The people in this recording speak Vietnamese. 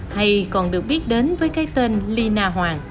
hay còn được biết đến với cái tên lina hoàng